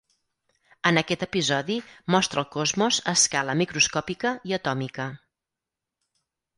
En aquest episodi mostra el cosmos a escala microscòpica i atòmica.